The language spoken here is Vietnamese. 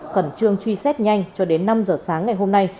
khẩn trương truy xét nhanh cho đến năm giờ sáng ngày hôm nay